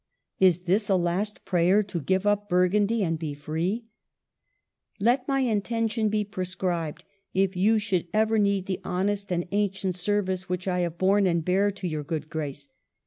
[Is this a last prayer to give up Burgundy and be free ?] Let my intention be prescribed, if you should ever need the honest and ancient service which I have borne and bear to your good grace.